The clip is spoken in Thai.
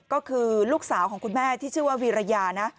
ก็คือลูกสาวของคุณแม่ที่ชื่อว่าวีรยานะ